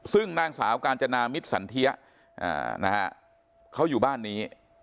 ซึ่งนางสาวกาญจนามิตรสันเทียนะฮะเขาอยู่บ้านนี้